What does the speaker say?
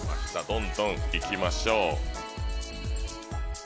どんどん行きましょう。